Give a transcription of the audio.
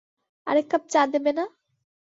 আরেক কাপ চা দেবেনা?